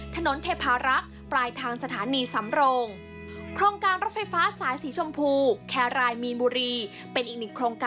ถนนเทพารักษ์ปลายทางสถานีสำโรง